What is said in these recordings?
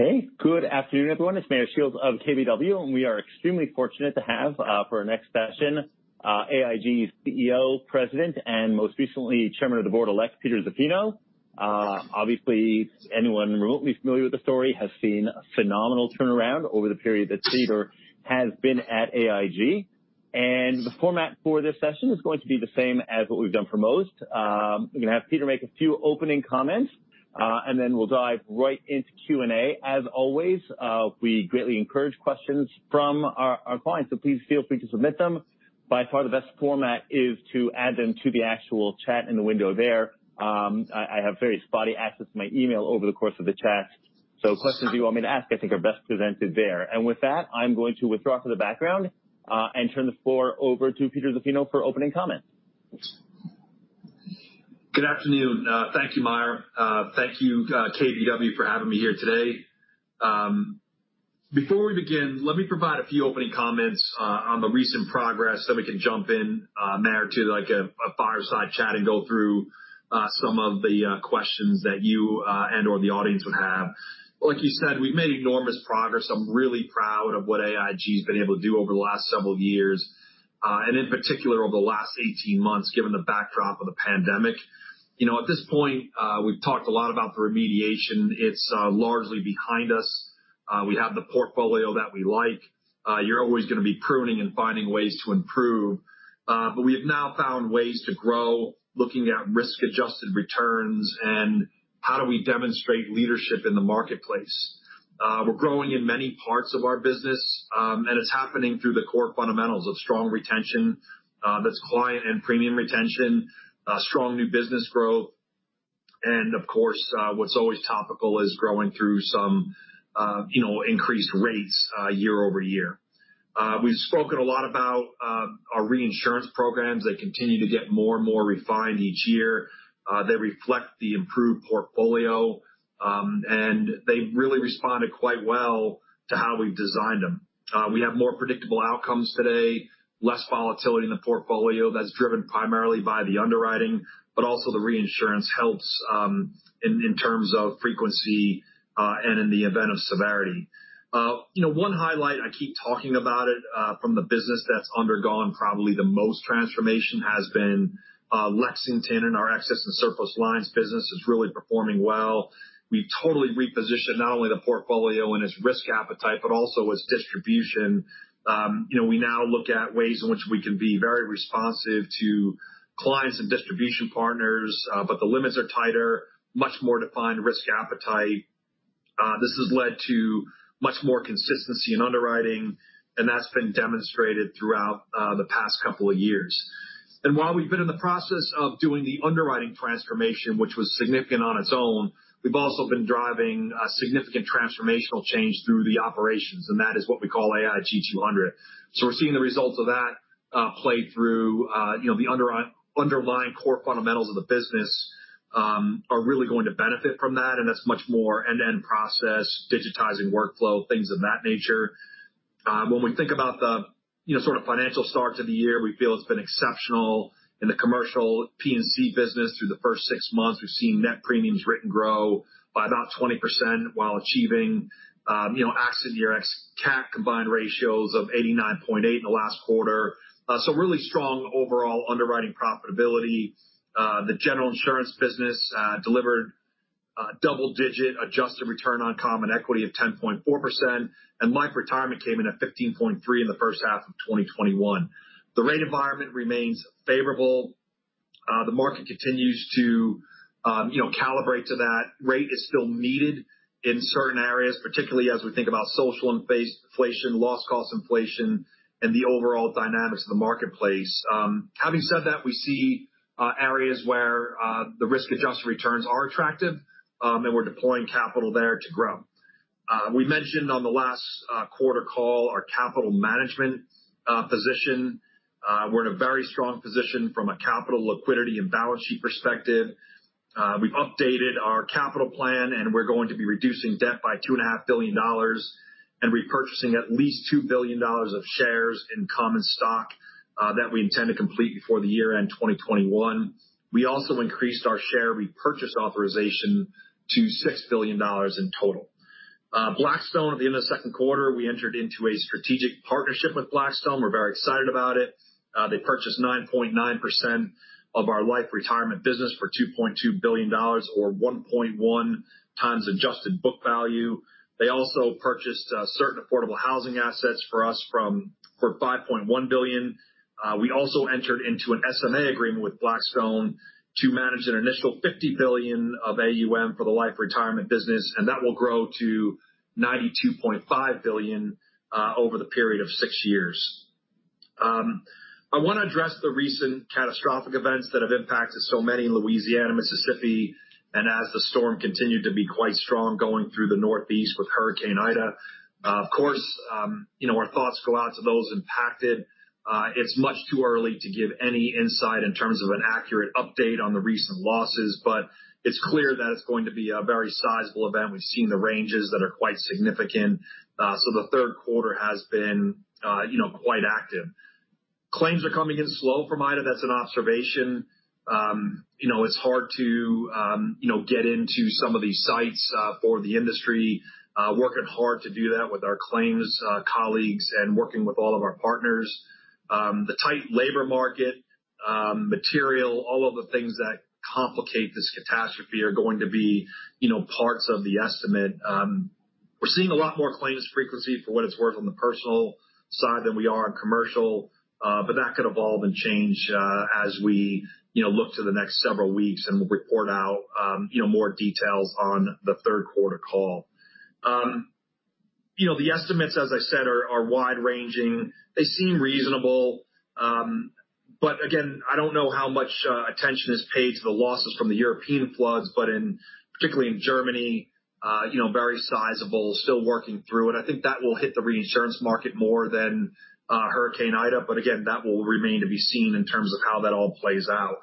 Okay. Good afternoon, everyone. It's Meyer Shields of KBW, and we are extremely fortunate to have, for our next session, AIG's CEO, President, and most recently, Chairman of the Board Elect, Peter Zaffino. Obviously, anyone remotely familiar with the story has seen a phenomenal turnaround over the period that Peter has been at AIG. The format for this session is going to be the same as what we've done for most. We're going to have Peter make a few opening comments, and then we'll dive right into Q&A. As always, we greatly encourage questions from our clients, so please feel free to submit them. By far, the best format is to add them to the actual chat in the window there. I have very spotty access to my email over the course of the chat, so questions you want me to ask, I think, are best presented there. With that, I'm going to withdraw to the background, and turn the floor over to Peter Zaffino for opening comments. Good afternoon. Thank you, Meyer. Thank you, KBW, for having me here today. Before we begin, let me provide a few opening comments on the recent progress, then we can jump in, Meyer, to a fireside chat and go through some of the questions that you and/or the audience would have. Like you said, we've made enormous progress. I'm really proud of what AIG's been able to do over the last several years, and in particular, over the last 18 months, given the backdrop of the pandemic. At this point, we've talked a lot about the remediation. It's largely behind us. We have the portfolio that we like. You're always going to be pruning and finding ways to improve. We have now found ways to grow, looking at risk-adjusted returns and how do we demonstrate leadership in the marketplace. We're growing in many parts of our business, and it's happening through the core fundamentals of strong retention. That's client and premium retention, strong new business growth, and of course, what's always topical is growing through some increased rates year-over-year. We've spoken a lot about our reinsurance programs. They continue to get more and more refined each year. They reflect the improved portfolio, and they've really responded quite well to how we've designed them. We have more predictable outcomes today, less volatility in the portfolio. That's driven primarily by the underwriting, but also the reinsurance helps in terms of frequency, and in the event of severity. One highlight, I keep talking about it, from the business that's undergone probably the most transformation, has been Lexington and our excess and surplus lines business is really performing well. We've totally repositioned not only the portfolio and its risk appetite, but also its distribution. We now look at ways in which we can be very responsive to clients and distribution partners, but the limits are tighter, much more defined risk appetite. This has led to much more consistency in underwriting, that's been demonstrated throughout the past couple of years. While we've been in the process of doing the underwriting transformation, which was significant on its own, we've also been driving a significant transformational change through the operations, that is what we call AIG 200. We're seeing the results of that play through the underlying core fundamentals of the business are really going to benefit from that's much more end-to-end process, digitizing workflow, things of that nature. When we think about the sort of financial start to the year, we feel it's been exceptional in the commercial P&C business through the first six months. We've seen net premiums written grow by about 20% while achieving accident year ex-CAT combined ratios of 89.8 in the last quarter. Really strong overall underwriting profitability. The general insurance business delivered double-digit adjusted return on common equity of 10.4%, Life & Retirement came in at 15.3 in the first half of 2021. The rate environment remains favorable. The market continues to calibrate to that. Rate is still needed in certain areas, particularly as we think about social inflation, loss cost inflation, the overall dynamics of the marketplace. Having said that, we see areas where the risk-adjusted returns are attractive, we're deploying capital there to grow. We mentioned on the last quarter call our capital management position. We're in a very strong position from a capital liquidity and balance sheet perspective. We've updated our capital plan, we're going to be reducing debt by $2.5 billion repurchasing at least $2 billion of shares in common stock that we intend to complete before the year-end 2021. We also increased our share repurchase authorization to $6 billion in total. Blackstone, at the end of the second quarter, we entered into a strategic partnership with Blackstone. We're very excited about it. They purchased 9.9% of our Life & Retirement business for $2.2 billion, or 1.1 times adjusted book value. They also purchased certain affordable housing assets for us for $5.1 billion. We also entered into an SMA agreement with Blackstone to manage an initial $50 billion of AUM for the Life & Retirement business, that will grow to $92.5 billion over the period of six years. I want to address the recent catastrophic events that have impacted so many in Louisiana, Mississippi, as the storm continued to be quite strong going through the Northeast with Hurricane Ida. Of course, our thoughts go out to those impacted. It's much too early to give any insight in terms of an accurate update on the recent losses, it's clear that it's going to be a very sizable event. We've seen the ranges that are quite significant. The third quarter has been quite active. Claims are coming in slow from Ida. That's an observation. It's hard to get into some of these sites for the industry. Working hard to do that with our claims colleagues working with all of our partners. The tight labor market, material, all of the things that complicate this catastrophe are going to be parts of the estimate. We're seeing a lot more claims frequency, for what it's worth, on the personal side than we are on commercial. That could evolve and change as we look to the next several weeks, and we'll report out more details on the third quarter call. The estimates, as I said, are wide-ranging. They seem reasonable. Again, I don't know how much attention is paid to the losses from the European floods, but particularly in Germany, very sizable, still working through, and I think that will hit the reinsurance market more than Hurricane Ida. Again, that will remain to be seen in terms of how that all plays out.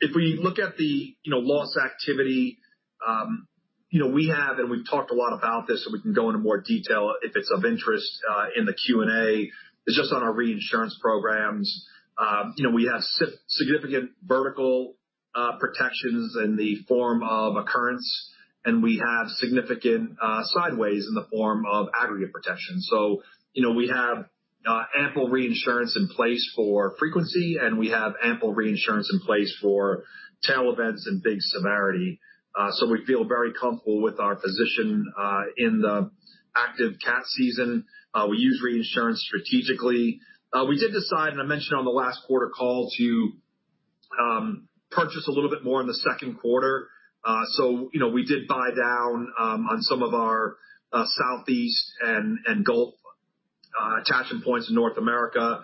If we look at the loss activity, we have, and we've talked a lot about this, so we can go into more detail if it's of interest in the Q&A. It's just on our reinsurance programs. We have significant vertical protections in the form of occurrence, and we have significant sideways in the form of aggregate protection. We have ample reinsurance in place for frequency, and we have ample reinsurance in place for tail events and big severity. We feel very comfortable with our position in the active CAT season. We use reinsurance strategically. We did decide, and I mentioned on the last quarter call, to purchase a little bit more in the second quarter. We did buy down on some of our Southeast and Gulf attachment points in North America.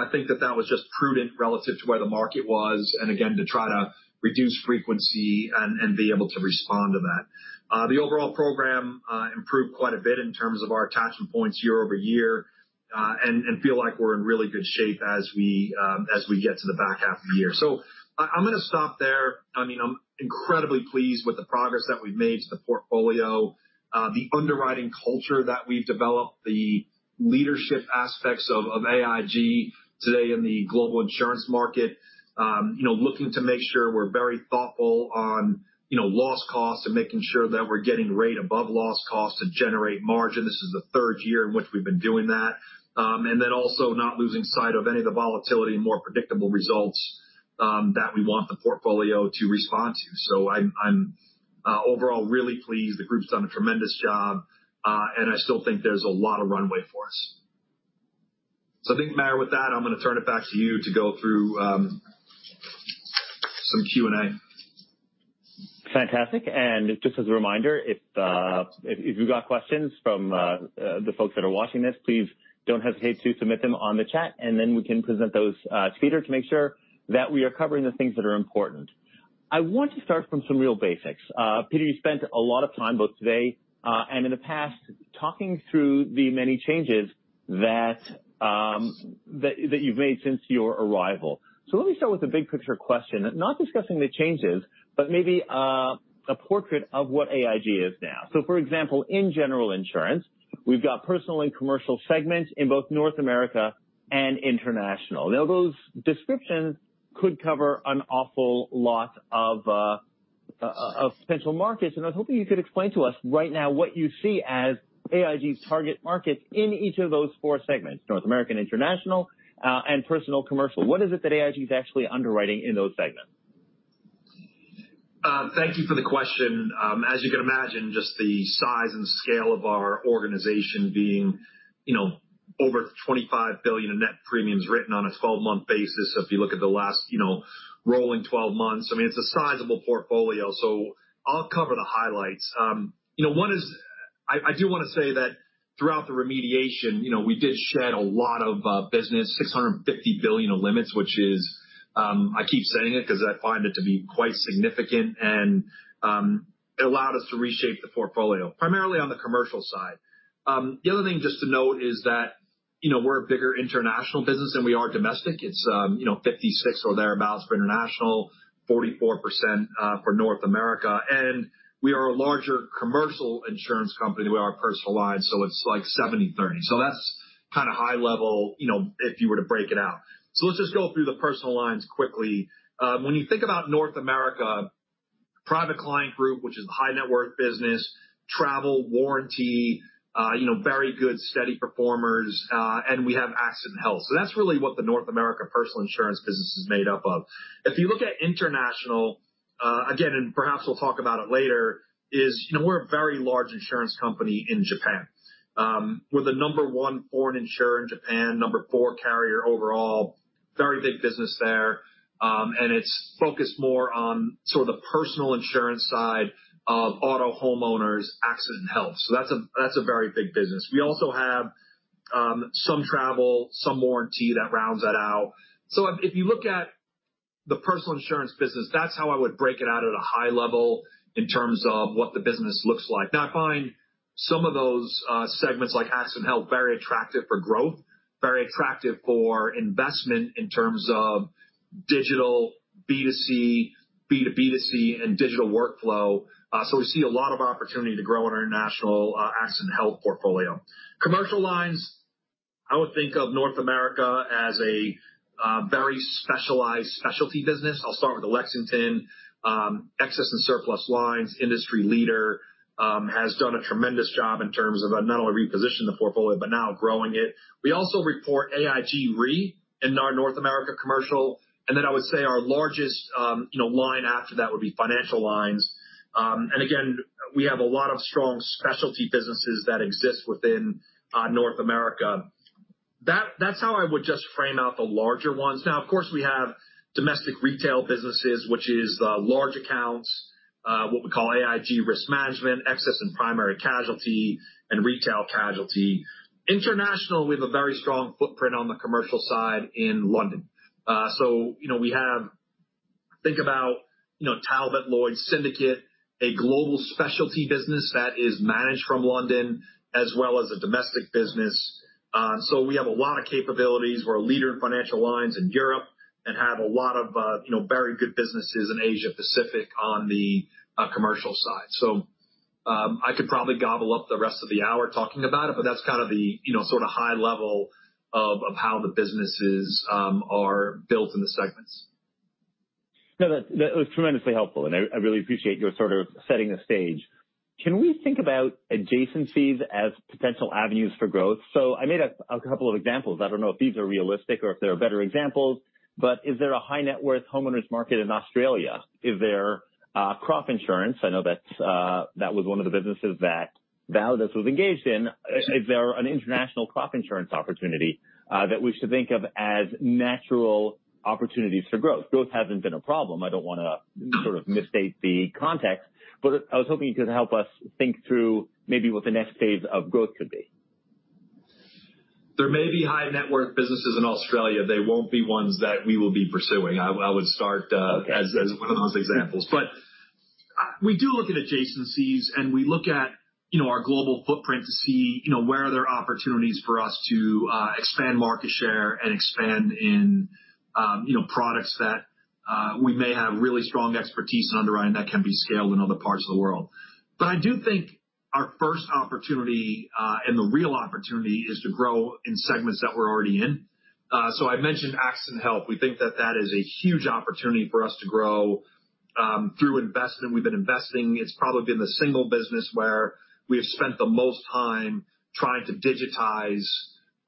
I think that that was just prudent relative to where the market was, and again, to try to reduce frequency and be able to respond to that. The overall program improved quite a bit in terms of our attachment points year-over-year, and feel like we're in really good shape as we get to the back half of the year. I'm going to stop there. I'm incredibly pleased with the progress that we've made to the portfolio, the underwriting culture that we've developed, the leadership aspects of AIG today in the global insurance market. Looking to make sure we're very thoughtful on loss costs and making sure that we're getting rate above loss costs to generate margin. This is the third year in which we've been doing that. Then also not losing sight of any of the volatility and more predictable results that we want the portfolio to respond to. I'm overall really pleased. The group's done a tremendous job, and I still think there's a lot of runway for us. I think, Meyer, with that, I'm going to turn it back to you to go through some Q&A. Fantastic. Just as a reminder, if you got questions from the folks that are watching this, please don't hesitate to submit them on the chat, and then we can present those to Peter to make sure that we are covering the things that are important. I want to start from some real basics. Peter, you spent a lot of time, both today and in the past, talking through the many changes that you've made since your arrival. Let me start with the big-picture question, not discussing the changes, but maybe a portrait of what AIG is now. For example, in General Insurance, we've got personal and commercial segments in both North America and international. Those descriptions could cover an awful lot of potential markets, and I was hoping you could explain to us right now what you see as AIG's target markets in each of those four segments, North America, international, and personal commercial. What is it that AIG is actually underwriting in those segments? Thank you for the question. As you can imagine, just the size and scale of our organization being over $25 billion in net premiums written on a 12-month basis, if you look at the last rolling 12 months, it's a sizable portfolio. I'll cover the highlights. One is I do want to say that throughout the remediation, we did shed a lot of business, $650 billion of limits, which is, I keep saying it because I find it to be quite significant, and it allowed us to reshape the portfolio, primarily on the commercial side. The other thing just to note is that we're a bigger international business than we are domestic. It's 56% or thereabouts for international, 44% for North America. We are a larger commercial insurance company than we are personal lines. It's like 70/30. That's kind of high level if you were to break it out. Let's just go through the personal lines quickly. When you think about North America, Private Client Group, which is the high-net-worth business, travel, warranty, very good, steady performers, and we have accident health. That's really what the North America personal insurance business is made up of. If you look at international, again, and perhaps we'll talk about it later, is we're a very large insurance company in Japan. We're the number 1 foreign insurer in Japan, number 4 carrier overall, very big business there, and it's focused more on sort of the personal insurance side of auto, homeowners, accident, health. That's a very big business. We also have some travel, some warranty that rounds that out. If you look at the personal insurance business, that's how I would break it out at a high level in terms of what the business looks like. I find some of those segments, like accident health, very attractive for growth, very attractive for investment in terms of Digital B2C, B2B2C, and digital workflow. We see a lot of opportunity to grow in our international accident health portfolio. Commercial lines, I would think of North America as a very specialized specialty business. I'll start with Lexington. Excess and surplus lines, industry leader, has done a tremendous job in terms of not only reposition the portfolio, but now growing it. We also report AIG Re in our North America commercial, then I would say our largest line after that would be financial lines. Again, we have a lot of strong specialty businesses that exist within North America. That's how I would just frame out the larger ones. Of course, we have domestic retail businesses, which is the large accounts, what we call AIG Risk Management, excess and primary casualty, and retail casualty. International, we have a very strong footprint on the commercial side in London. We have, think about Talbot Lloyd's Syndicate, a global specialty business that is managed from London as well as a domestic business. We have a lot of capabilities. We're a leader in financial lines in Europe and have a lot of very good businesses in Asia Pacific on the commercial side. I could probably gobble up the rest of the hour talking about it, but that's kind of the sort of high level of how the businesses are built in the segments. That was tremendously helpful, and I really appreciate you sort of setting the stage. Can we think about adjacencies as potential avenues for growth? I made a couple of examples. I don't know if these are realistic or if there are better examples, but is there a high net worth homeowners market in Australia? Is there crop insurance? I know that was one of the businesses that Validus was engaged in. Is there an international crop insurance opportunity that we should think of as natural opportunities for growth? Growth hasn't been a problem. I don't want to sort of misstate the context, but I was hoping you could help us think through maybe what the next phase of growth could be. There may be high net worth businesses in Australia. They won't be ones that we will be pursuing. I would start as one of those examples. We do look at adjacencies, and we look at our global footprint to see where there are opportunities for us to expand market share and expand in products that we may have really strong expertise in underwriting that can be scaled in other parts of the world. I do think our first opportunity, and the real opportunity, is to grow in segments that we're already in. I mentioned accident health. We think that that is a huge opportunity for us to grow through investment. We've been investing. It's probably been the single business where we have spent the most time trying to digitize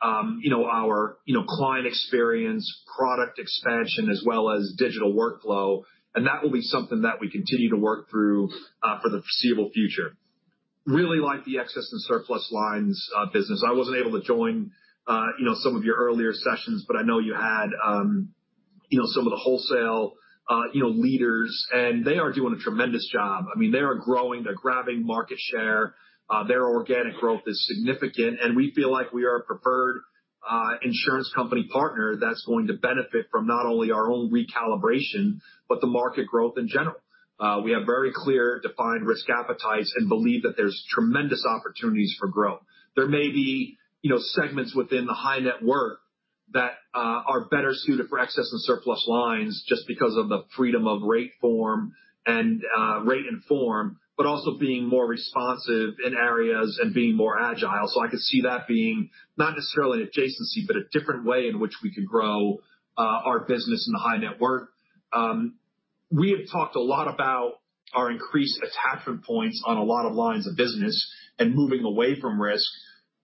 our client experience, product expansion, as well as digital workflow. That will be something that we continue to work through for the foreseeable future. Really like the excess and surplus lines business. I wasn't able to join some of your earlier sessions, but I know you had some of the wholesale leaders, and they are doing a tremendous job. I mean, they are growing. They're grabbing market share. Their organic growth is significant, and we feel like we are a preferred insurance company partner that's going to benefit from not only our own recalibration, but the market growth in general. We have very clear, defined risk appetites and believe that there's tremendous opportunities for growth. There may be segments within the high net worth that are better suited for excess and surplus lines just because of the freedom of rate form and rate and form, but also being more responsive in areas and being more agile. I could see that being not necessarily an adjacency, but a different way in which we can grow our business in the high net worth. We have talked a lot about our increased attachment points on a lot of lines of business and moving away from risk.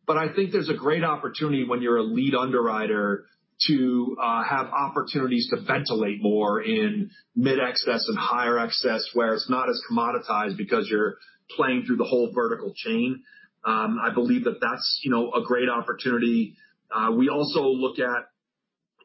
I think there's a great opportunity when you're a lead underwriter to have opportunities to ventilate more in mid excess and higher excess, where it's not as commoditized because you're playing through the whole vertical chain. I believe that that's a great opportunity. We also look at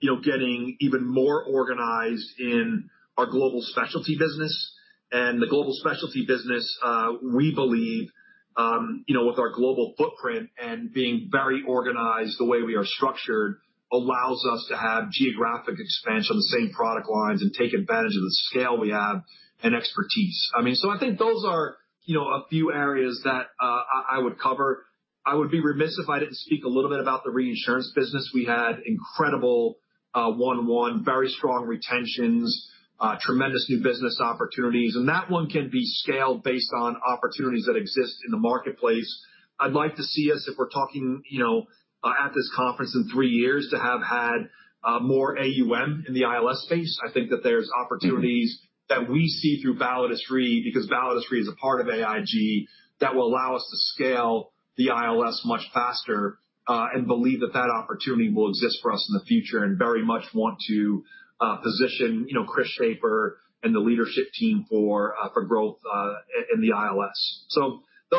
getting even more organized in our global specialty business. The global specialty business, we believe, with our global footprint and being very organized the way we are structured, allows us to have geographic expansion of the same product lines and take advantage of the scale we have and expertise. I think those are a few areas that I would cover. I would be remiss if I didn't speak a little bit about the reinsurance business. We had incredible 1-1, very strong retentions, tremendous new business opportunities, and that one can be scaled based on opportunities that exist in the marketplace. I'd like to see us, if we're talking at this conference in three years, to have had more AUM in the ILS space. I think that there's opportunities that we see through Validus Re, because Validus Re is a part of AIG, that will allow us to scale the ILS much faster and believe that that opportunity will exist for us in the future and very much want to position Chris Schaper and the leadership team for growth in the ILS.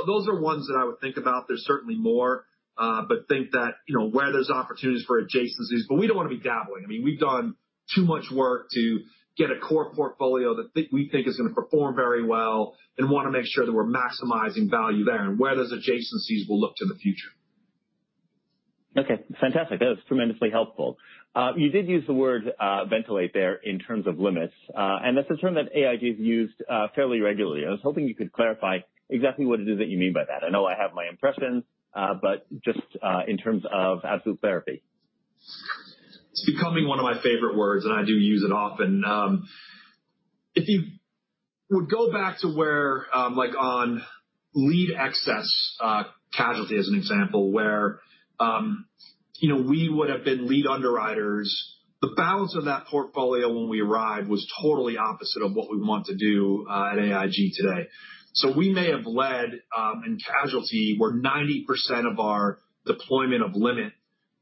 Those are ones that I would think about. There's certainly more, but think that where there's opportunities for adjacencies, but we don't want to be dabbling. I mean, we've done too much work to get a core portfolio that we think is going to perform very well and want to make sure that we're maximizing value there and where those adjacencies will look to the future. Okay. Fantastic. That was tremendously helpful. You did use the word ventilate there in terms of limits, and that's a term that AIG has used fairly regularly. I was hoping you could clarify exactly what it is that you mean by that. I know I have my impressions, but just in terms of absolute therapy. It's becoming one of my favorite words, and I do use it often. If you would go back to where, on lead excess casualty as an example, where we would have been lead underwriters. The balance of that portfolio when we arrived was totally opposite of what we want to do at AIG today. We may have led in casualty, where 90% of our deployment of limit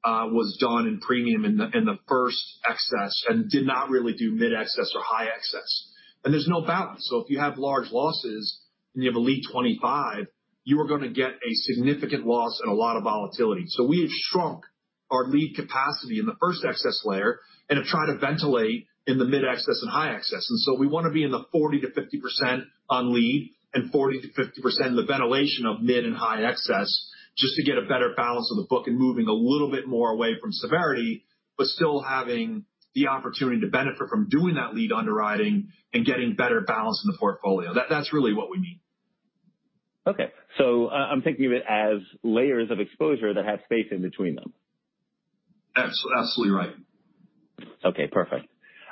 was done in premium in the first excess and did not really do mid-excess or high excess. There's no balance. If you have large losses and you have a lead 25, you are going to get a significant loss and a lot of volatility. We have shrunk our lead capacity in the first excess layer and have tried to ventilate in the mid-excess and high excess. We want to be in the 40%-50% on lead and 40%-50% of the ventilation of mid and high excess just to get a better balance of the book and moving a little bit more away from severity, but still having the opportunity to benefit from doing that lead underwriting and getting better balance in the portfolio. That's really what we mean. Okay. I'm thinking of it as layers of exposure that have space in between them. Absolutely right. Okay, perfect.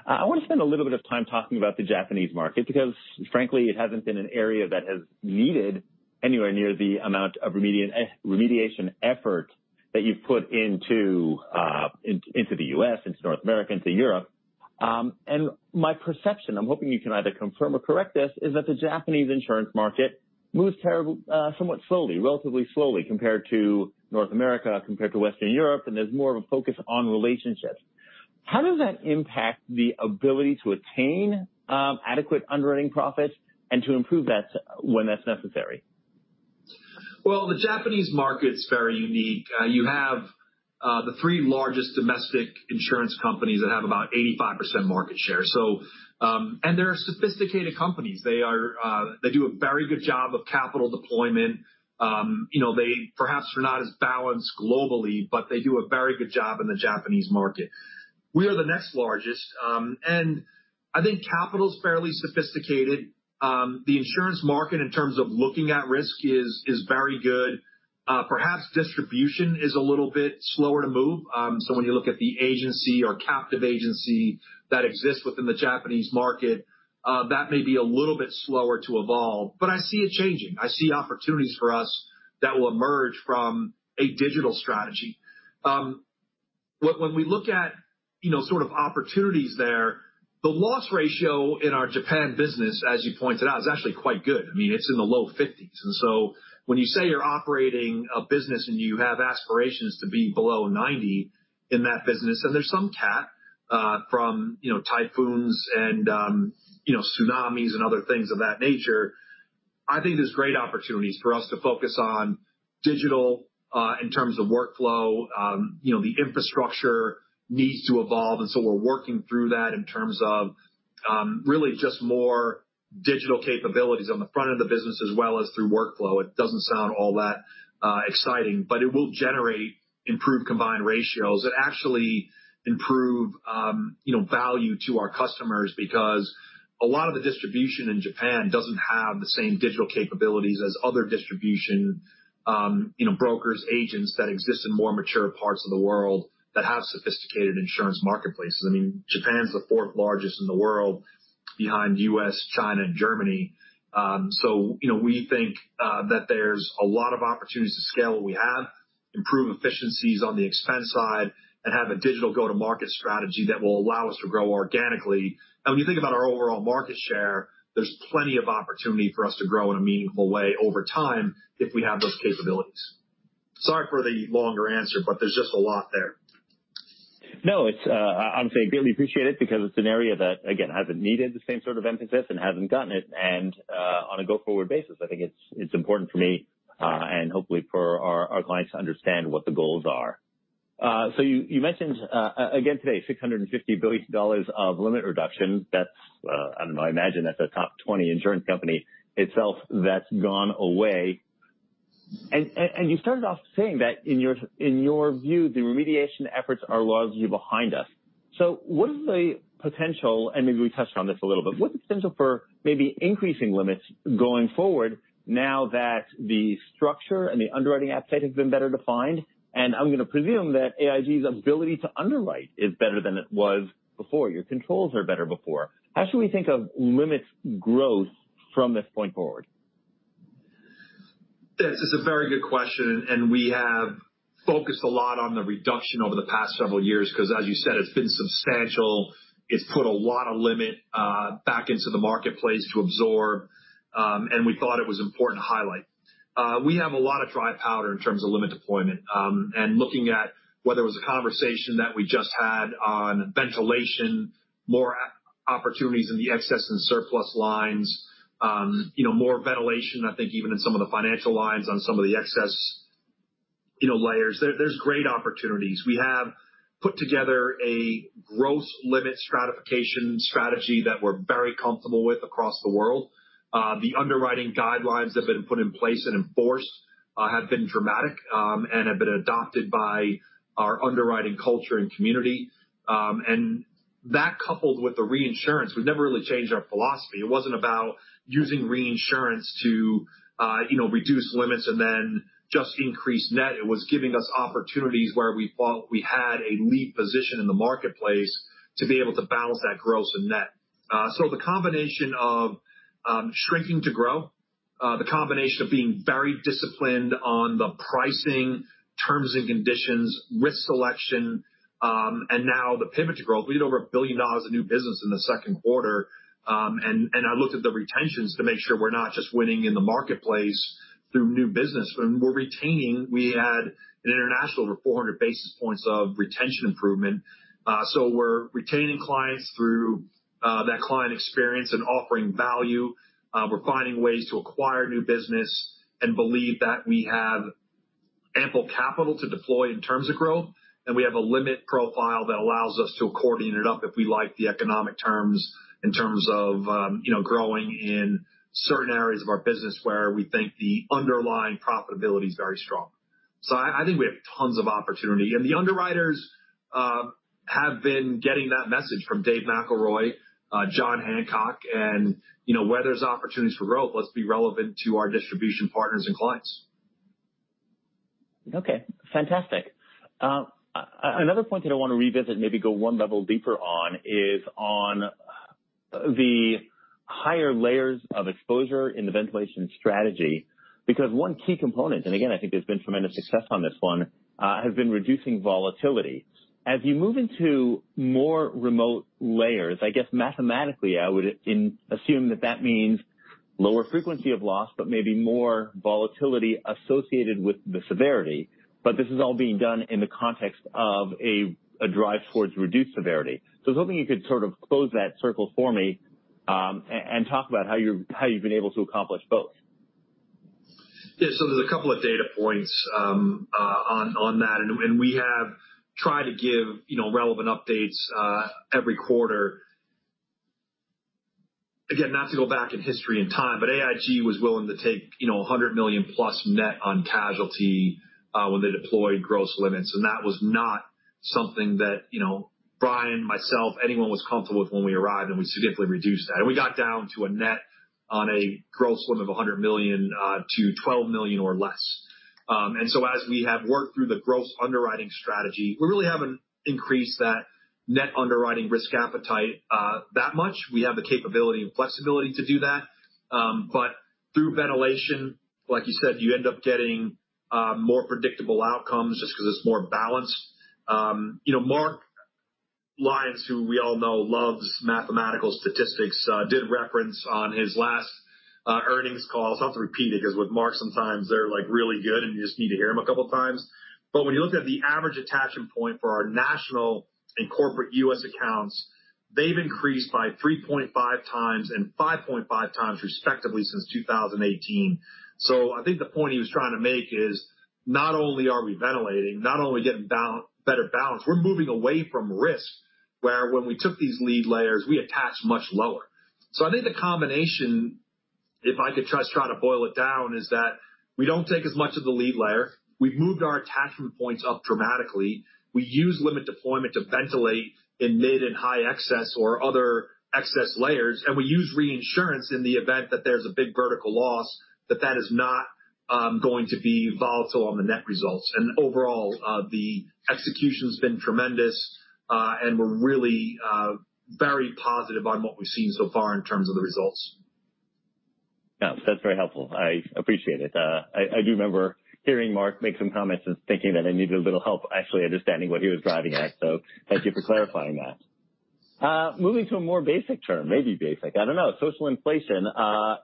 I want to spend a little bit of time talking about the Japanese market, because frankly, it hasn't been an area that has needed anywhere near the amount of remediation effort that you've put into the U.S., into North America, into Europe. My perception, I'm hoping you can either confirm or correct this, is that the Japanese insurance market moves somewhat slowly, relatively slowly, compared to North America, compared to Western Europe, and there's more of a focus on relationships. How does that impact the ability to attain adequate underwriting profits and to improve that when that's necessary? Well, the Japanese market's very unique. You have the three largest domestic insurance companies that have about 85% market share. They are sophisticated companies. They do a very good job of capital deployment. They perhaps are not as balanced globally, but they do a very good job in the Japanese market. We are the next largest. I think capital's fairly sophisticated. The insurance market in terms of looking at risk is very good. Perhaps distribution is a little bit slower to move. When you look at the agency or captive agency that exists within the Japanese market, that may be a little bit slower to evolve, but I see it changing. I see opportunities for us that will emerge from a digital strategy. When we look at sort of opportunities there, the loss ratio in our Japan business, as you pointed out, is actually quite good. I mean, it's in the low 50s. When you say you're operating a business and you have aspirations to be below 90 in that business, and there's some CAT from typhoons and tsunamis and other things of that nature, I think there's great opportunities for us to focus on digital, in terms of workflow. The infrastructure needs to evolve, we're working through that in terms of really just more digital capabilities on the front of the business as well as through workflow. It doesn't sound all that exciting, it will generate improved combined ratios that actually improve value to our customers because a lot of the distribution in Japan doesn't have the same digital capabilities as other distribution brokers, agents that exist in more mature parts of the world that have sophisticated insurance marketplaces. I mean, Japan's the fourth largest in the world behind U.S., China, and Germany. We think that there's a lot of opportunities to scale what we have, improve efficiencies on the expense side, and have a digital go-to-market strategy that will allow us to grow organically. When you think about our overall market share, there's plenty of opportunity for us to grow in a meaningful way over time if we have those capabilities. Sorry for the longer answer, there's just a lot there. No, I honestly greatly appreciate it because it's an area that, again, hasn't needed the same sort of emphasis and hasn't gotten it. On a go-forward basis, I think it's important for me and hopefully for our clients to understand what the goals are. You mentioned, again today, $650 billion of limit reduction. I imagine that's a top 20 insurance company itself that's gone away. You started off saying that in your view, the remediation efforts are largely behind us. What is the potential, and maybe we touched on this a little bit, what's the potential for maybe increasing limits going forward now that the structure and the underwriting appetite has been better defined? I'm going to presume that AIG's ability to underwrite is better than it was before. Your controls were better before. How should we think of limits growth from this point forward? This is a very good question. We have focused a lot on the reduction over the past several years because, as you said, it's been substantial. It's put a lot of limit back into the marketplace to absorb, and we thought it was important to highlight. We have a lot of dry powder in terms of limit deployment. Looking at whether it was a conversation that we just had on ventilation, more opportunities in the excess and surplus lines, more ventilation, I think even in some of the financial lines on some of the excess layers. There's great opportunities. We have put together a growth limit stratification strategy that we're very comfortable with across the world. The underwriting guidelines that have been put in place and enforced have been dramatic and have been adopted by our underwriting culture and community. That coupled with the reinsurance, we've never really changed our philosophy. It wasn't about using reinsurance to reduce limits and then just increase net. It was giving us opportunities where we thought we had a lead position in the marketplace to be able to balance that gross and net. The combination of shrinking to grow, the combination of being very disciplined on the pricing, terms and conditions, risk selection, and now the pivot to growth. We had over $1 billion of new business in the second quarter. I looked at the retentions to make sure we're not just winning in the marketplace through new business. When we're retaining, we had, in international, over 400 basis points of retention improvement. We're retaining clients through that client experience and offering value. We're finding ways to acquire new business and believe that we have ample capital to deploy in terms of growth. We have a limit profile that allows us to accordion it up if we like the economic terms in terms of growing in certain areas of our business where we think the underlying profitability is very strong. I think we have tons of opportunity, and the underwriters have been getting that message from David McElroy, Jon Hancock, and where there's opportunities for growth, let's be relevant to our distribution partners and clients. Okay, fantastic. Another point that I want to revisit, maybe go one level deeper on, is on the higher layers of exposure in the ventilation strategy. Because one key component, and again, I think there's been tremendous success on this one, has been reducing volatility. As you move into more remote layers, I guess mathematically, I would assume that that means lower frequency of loss, but maybe more volatility associated with the severity. But this is all being done in the context of a drive towards reduced severity. I was hoping you could sort of close that circle for me, and talk about how you've been able to accomplish both. So there's a couple of data points on that, and we have tried to give relevant updates every quarter. Not to go back in history and time, AIG was willing to take $100 million-plus net on casualty when they deployed gross limits, and that was not something that Brian, myself, anyone was comfortable with when we arrived, and we significantly reduced that. We got down to a net on a gross limit of $100 million to $12 million or less. As we have worked through the gross underwriting strategy, we really haven't increased that net underwriting risk appetite that much. We have the capability and flexibility to do that. But through ventilation, like you said, you end up getting more predictable outcomes just because it's more balanced. Mark Lyons, who we all know loves mathematical statistics, did reference on his last earnings call. I'll have to repeat it, because with Mark, sometimes they're really good and you just need to hear them a couple of times. When you look at the average attachment point for our national and corporate U.S. accounts, they've increased by 3.5 times and 5.5 times respectively since 2018. I think the point he was trying to make is, not only are we ventilating, not only getting better balance, we're moving away from risk, where when we took these lead layers, we attached much lower. I think the combination, if I could try to boil it down, is that we don't take as much of the lead layer. We've moved our attachment points up dramatically. We use limit deployment to ventilate in mid and high excess or other excess layers, and we use reinsurance in the event that there's a big vertical loss, that that is not going to be volatile on the net results. Overall, the execution's been tremendous, and we're really very positive on what we've seen so far in terms of the results. Yeah. That's very helpful. I appreciate it. I do remember hearing Mark make some comments and thinking that I needed a little help actually understanding what he was driving at. Thank you for clarifying that. Moving to a more basic term, maybe basic, I don't know. Social inflation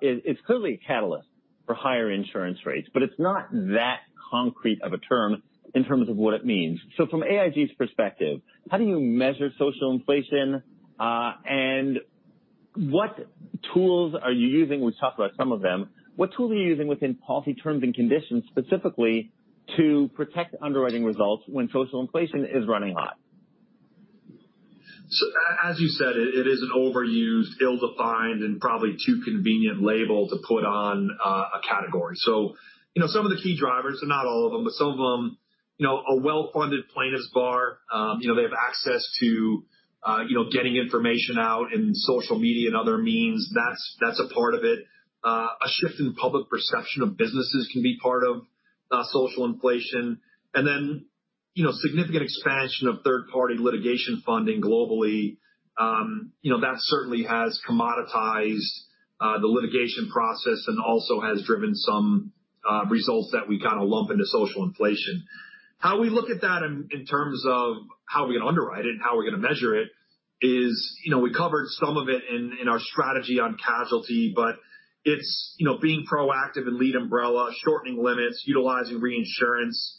is clearly a catalyst for higher insurance rates, but it's not that concrete of a term in terms of what it means. From AIG's perspective, how do you measure social inflation, and what tools are you using? We've talked about some of them. What tools are you using within policy terms and conditions specifically to protect underwriting results when social inflation is running hot? As you said, it is an overused, ill-defined, and probably too convenient label to put on a category. Some of the key drivers, not all of them, but some of them, a well-funded plaintiffs bar. They have access to getting information out in social media and other means. That's a part of it. A shift in public perception of businesses can be part of social inflation. Then significant expansion of third-party litigation funding globally. That certainly has commoditized the litigation process and also has driven some results that we kind of lump into social inflation. How we look at that in terms of how we underwrite it and how we're going to measure it is we covered some of it in our strategy on casualty, but it's being proactive in lead umbrella, shortening limits, utilizing reinsurance,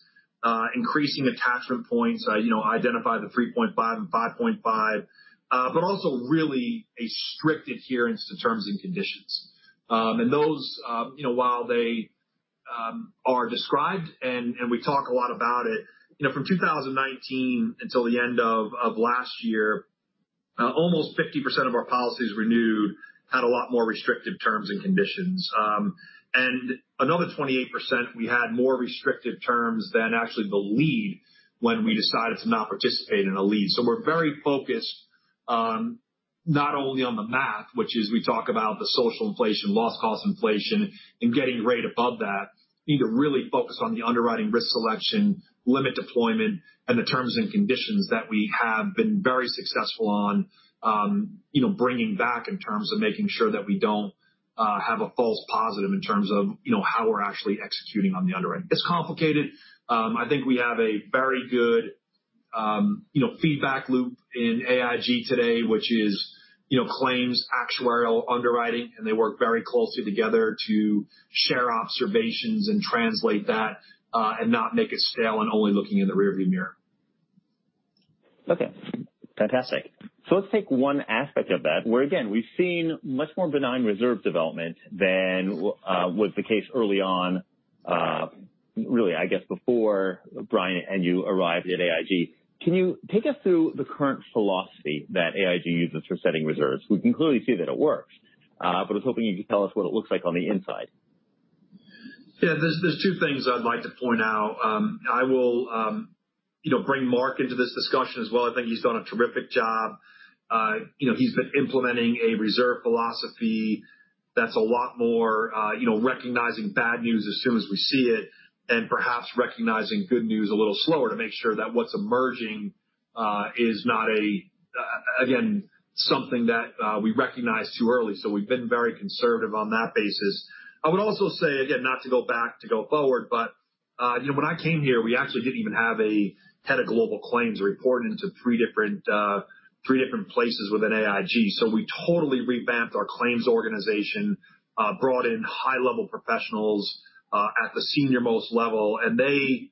increasing attachment points, identify the 3.5 and 5.5, also really a strict adherence to terms and conditions. Those, while they are described and we talk a lot about it, from 2019 until the end of last year, almost 50% of our policies renewed had a lot more restrictive terms and conditions. Another 28%, we had more restrictive terms than actually the lead when we decided to not participate in a lead. We're very focused on not only on the math, which is we talk about the social inflation, loss cost inflation, and getting rate above that. We need to really focus on the underwriting risk selection, limit deployment, and the terms and conditions that we have been very successful on, bringing back in terms of making sure that we don't have a false positive in terms of how we're actually executing on the underwriting. It's complicated. I think we have a very good feedback loop in AIG today, which is claims, actuarial underwriting, and they work very closely together to share observations and translate that, and not make it stale and only looking in the rearview mirror. Okay, fantastic. Let's take one aspect of that, where again, we've seen much more benign reserve development than was the case early on, really, I guess before Brian and you arrived at AIG. Can you take us through the current philosophy that AIG uses for setting reserves? We can clearly see that it works, but I was hoping you could tell us what it looks like on the inside. Yeah. There's two things I'd like to point out. I will bring Mark into this discussion as well. I think he's done a terrific job. He's been implementing a reserve philosophy that's a lot more recognizing bad news as soon as we see it, and perhaps recognizing good news a little slower to make sure that what's emerging is not, again, something that we recognize too early. We've been very conservative on that basis. I would also say, again, not to go back, to go forward, but when I came here, we actually didn't even have a head of global claims reporting to three different places within AIG. We totally revamped our claims organization, brought in high-level professionals at the senior-most level, and they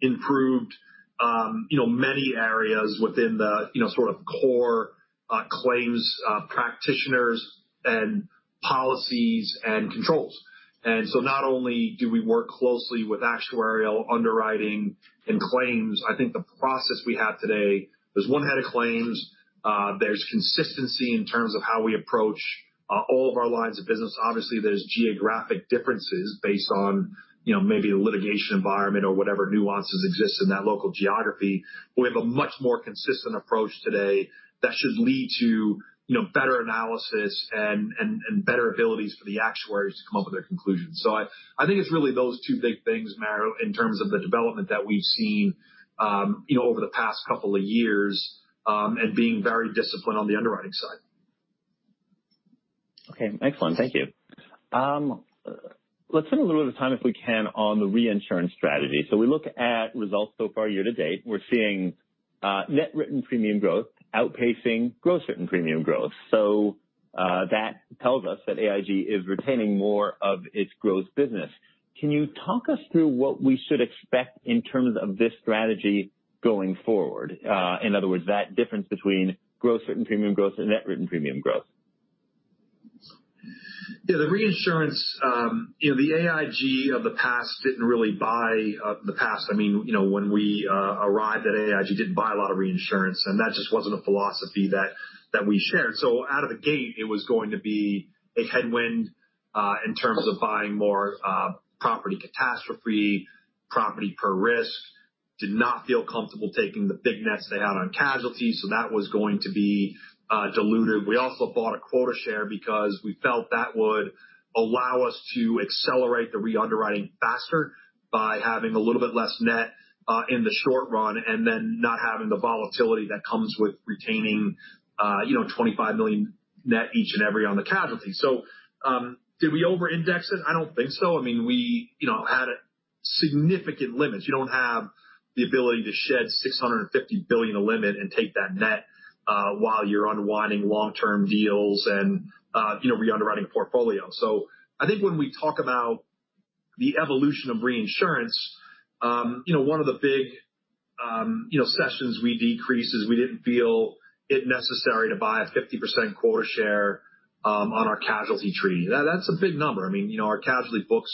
improved many areas within the sort of core claims practitioners and policies and controls. Not only do we work closely with actuarial underwriting and claims, I think the process we have today, there's one head of claims, there's consistency in terms of how we approach all of our lines of business. Obviously, there's geographic differences based on maybe the litigation environment or whatever nuances exist in that local geography. We have a much more consistent approach today that should lead to better analysis and better abilities for the actuaries to come up with their conclusions. I think it's really those two big things, Meyer, in terms of the development that we've seen over the past couple of years, and being very disciplined on the underwriting side. Okay, excellent. Thank you. Let's spend a little bit of time, if we can, on the reinsurance strategy. We look at results so far year to date. We're seeing net written premium growth outpacing gross written premium growth. That tells us that AIG is retaining more of its gross business. Can you talk us through what we should expect in terms of this strategy going forward? In other words, that difference between gross written premium growth and net written premium growth. Yeah. The reinsurance, the AIG of the past, I mean, when we arrived at AIG, didn't buy a lot of reinsurance, and that just wasn't a philosophy that we shared. Out of the gate, it was going to be a headwind, in terms of buying more property catastrophe, property per risk. Did not feel comfortable taking the big nets they had on casualties, that was going to be dilutive. We also bought a quota share because we felt that would allow us to accelerate the re-underwriting faster by having a little bit less net, in the short run, and then not having the volatility that comes with retaining $25 million net each and every on the casualty. Did we over-index it? I don't think so. We had significant limits. You don't have the ability to shed $650 billion of limit and take that net while you're unwinding long-term deals and re-underwriting a portfolio. I think when we talk about the evolution of reinsurance, one of the big cessions we decreased is we didn't feel it necessary to buy a 50% quota share on our casualty treaty. That's a big number. Our casualty book's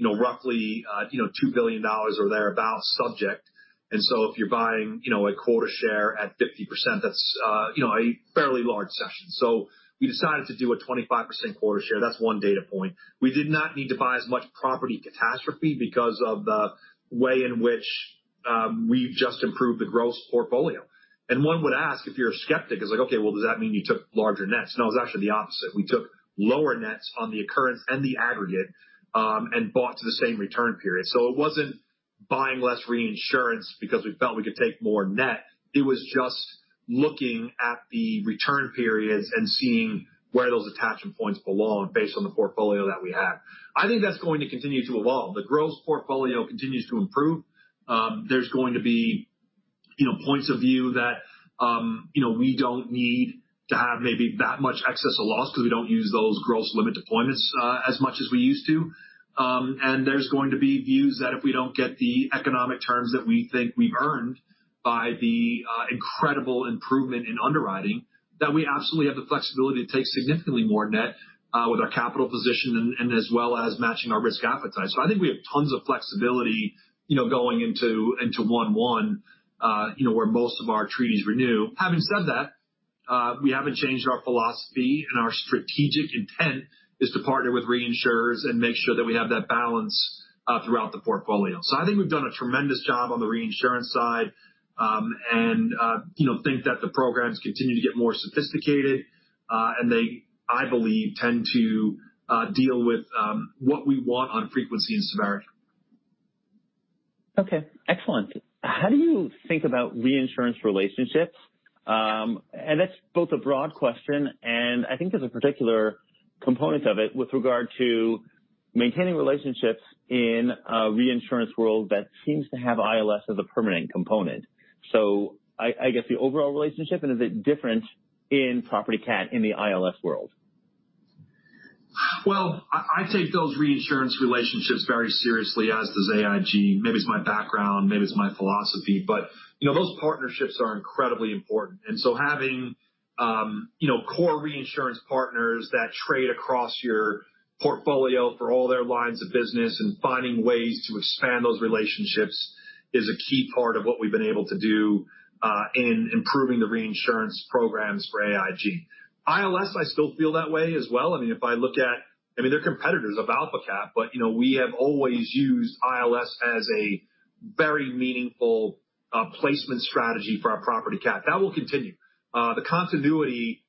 roughly $2 billion or thereabout subject. If you're buying a quota share at 50%, that's a fairly large cession. We decided to do a 25% quota share. That's one data point. We did not need to buy as much property catastrophe because of the way in which we've just improved the gross portfolio. One would ask if you're a skeptic is like, "Okay, well, does that mean you took larger nets?" No, it was actually the opposite. We took lower nets on the occurrence and the aggregate, and bought to the same return period. It wasn't buying less reinsurance because we felt we could take more net. It was just looking at the return periods and seeing where those attachment points belong based on the portfolio that we have. I think that's going to continue to evolve. The gross portfolio continues to improve. There's going to be points of view that we don't need to have maybe that much excess of loss because we don't use those gross limit deployments as much as we used to. There's going to be views that if we don't get the economic terms that we think we've earned by the incredible improvement in underwriting, that we absolutely have the flexibility to take significantly more net, with our capital position and as well as matching our risk appetite. I think we have tons of flexibility going into one-one, where most of our treaties renew. Having said that, we haven't changed our philosophy, and our strategic intent is to partner with reinsurers and make sure that we have that balance throughout the portfolio. I think we've done a tremendous job on the reinsurance side, and think that the programs continue to get more sophisticated, and they, I believe, tend to deal with what we want on frequency and severity. Okay, excellent. How do you think about reinsurance relationships? That's both a broad question and I think there's a particular component of it with regard to maintaining relationships in a reinsurance world that seems to have ILS as a permanent component. I guess the overall relationship, and is it different in property cat in the ILS world? I take those reinsurance relationships very seriously, as does AIG. Maybe it's my background, maybe it's my philosophy, but those partnerships are incredibly important. Having core reinsurance partners that trade across your portfolio for all their lines of business and finding ways to expand those relationships is a key part of what we've been able to do in improving the reinsurance programs for AIG. ILS, I still feel that way as well. They're competitors of AlphaCat, but we have always used ILS as a very meaningful placement strategy for our property cat. That will continue. The continuity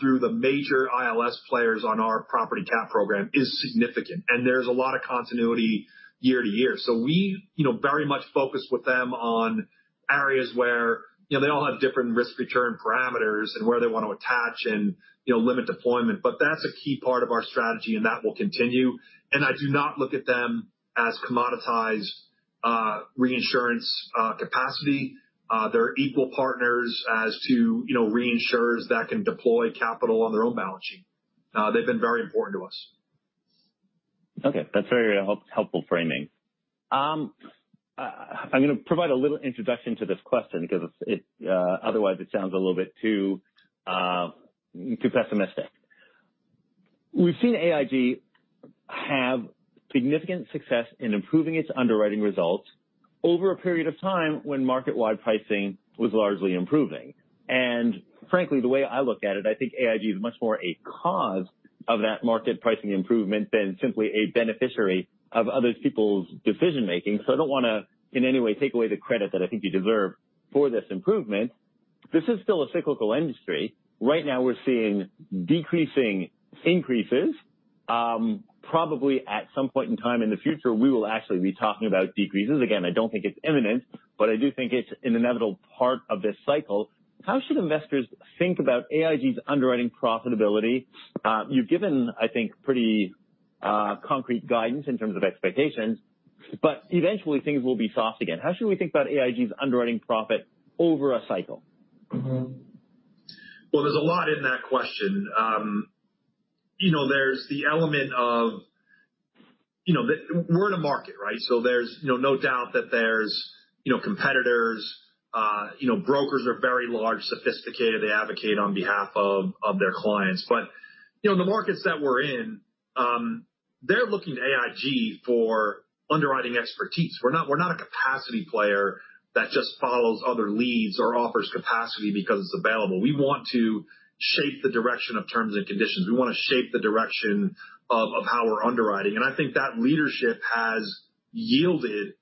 through the major ILS players on our property cat program is significant, and there's a lot of continuity year to year. We very much focus with them on areas where they all have different risk-return parameters and where they want to attach and limit deployment. That's a key part of our strategy, and that will continue. I do not look at them as commoditized reinsurance capacity. They're equal partners as to reinsurers that can deploy capital on their own balance sheet. They've been very important to us. Okay. That's very helpful framing. I'm going to provide a little introduction to this question because otherwise it sounds a little bit too pessimistic. We've seen AIG have significant success in improving its underwriting results over a period of time when market-wide pricing was largely improving. Frankly, the way I look at it, I think AIG is much more a cause of that market pricing improvement than simply a beneficiary of other people's decision-making. I don't want to in any way take away the credit that I think you deserve for this improvement. This is still a cyclical industry. Right now, we're seeing decreasing increases. Probably at some point in time in the future, we will actually be talking about decreases. Again, I don't think it's imminent, but I do think it's an inevitable part of this cycle. How should investors think about AIG's underwriting profitability? You've given, I think, pretty concrete guidance in terms of expectations, but eventually things will be soft again. How should we think about AIG's underwriting profit over a cycle? Well, there's a lot in that question. There's the element of we're in a market, right? There's no doubt that there's competitors. Brokers are very large, sophisticated. They advocate on behalf of their clients. The markets that we're in, they're looking to AIG for underwriting expertise. We're not a capacity player that just follows other leads or offers capacity because it's available. We want to shape the direction of terms and conditions. We want to shape the direction of how we're underwriting. I think that leadership has yielded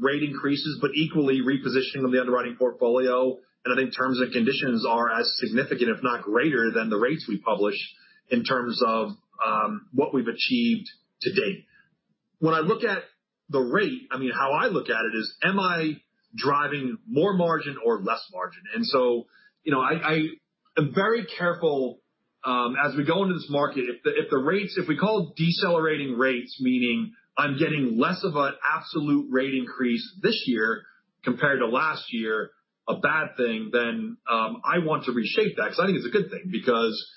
rate increases, but equally repositioning of the underwriting portfolio. I think terms and conditions are as significant, if not greater, than the rates we publish in terms of what we've achieved to date. When I look at the rate, how I look at it is, am I driving more margin or less margin? I am very careful as we go into this market. If we call decelerating rates, meaning I'm getting less of an absolute rate increase this year compared to last year, a bad thing, then I want to reshape that because I think it's a good thing because